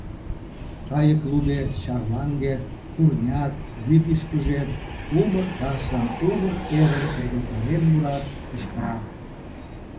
Кайык лудет, чарлаҥгет, турнят, вӱд ӱшкыжет умыр касым, умыр эрым шергылтарен мурат, кычкырат.